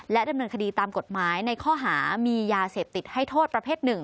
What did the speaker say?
ดำเนินคดีตามกฎหมายในข้อหามียาเสพติดให้โทษประเภท๑